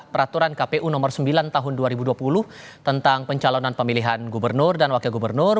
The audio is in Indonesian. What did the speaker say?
peraturan kpu nomor sembilan tahun dua ribu dua puluh tentang pencalonan pemilihan gubernur dan wakil gubernur